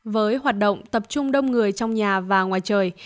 với hoạt động tập trung đông người trong nhà và ngoài trời